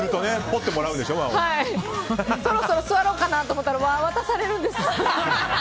そろそろ座ろうかなと思ったら輪を渡されるんです。